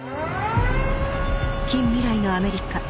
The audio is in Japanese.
近未来のアメリカ。